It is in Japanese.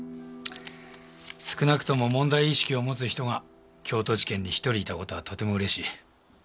少なくとも問題意識を持つ人が京都地検に１人いた事はとても嬉しい。